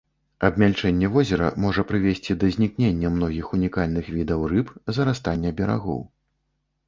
Абмяльчэнне возера можа прывесці да знікнення многіх унікальных відаў рыб, зарастання берагоў.